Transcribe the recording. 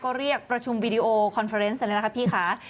ก็เรียกประชุมวีดีโอคอนเฟอร์เอนซ์อันนี้แหละครับพี่ค่ะ